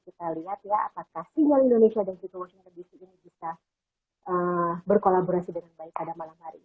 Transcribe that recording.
kita lihat ya apakah simbol indonesia dan situasi negara di sini bisa berkolaborasi dengan baik pada malam hari ini